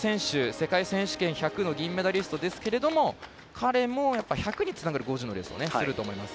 世界選手権１００の銀メダリストですけど彼も１００につながる５０のレースをすると思います。